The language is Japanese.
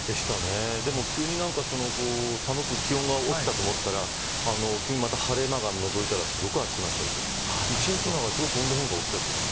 でも急に気温が寒く落ちたと思ったら急に、また晴れ間がのぞいたらすごく暑くなったりとか一日の中で温度変化が大きかったですね。